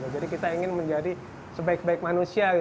jadi kita ingin menjadi sebaik baik manusia